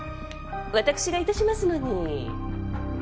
私が致しますのに。